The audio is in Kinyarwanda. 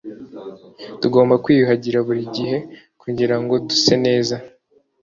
tugomba kwiyuhagira buri gihe kugirango duse neza